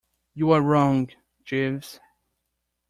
You are wrong, Jeeves.